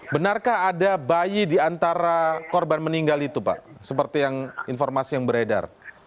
benarkah ada bayi di antara korban meninggal itu pak seperti informasi yang beredar